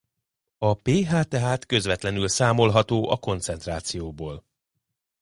A pH tehát közvetlenül számolható a koncentrációból.